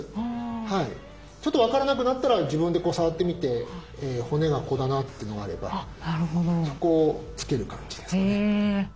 ちょっと分からなくなったら自分で触ってみて骨がここだなっていうのがあればそこをつける感じですかね。